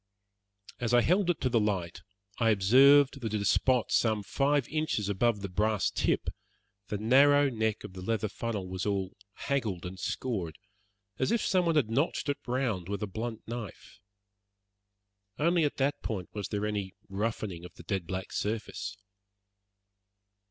As I held it to the light I observed that at a spot some five inches above the brass tip the narrow neck of the leather funnel was all haggled and scored, as if someone had notched it round with a blunt knife. Only at that point was there any roughening of the dead black surface.